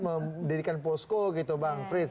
mendirikan posko gitu bang frits